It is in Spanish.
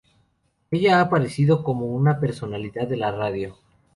Ella ha aparecido como una personalidad de la radio.